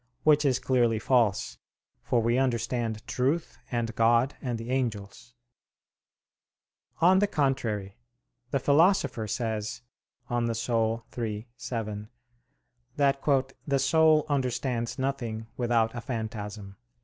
Which is clearly false: for we understand truth, and God, and the angels. On the contrary, The Philosopher says (De Anima iii, 7) that "the soul understands nothing without a phantasm."